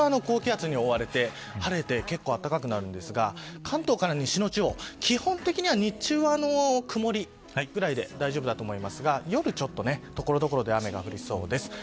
こちらは高気圧に覆われて晴れて暖かくなるんですが関東から西の地方基本的には日中は曇りぐらいで大丈夫だと思いますが夜ちょっと所々で雨が降りそうです。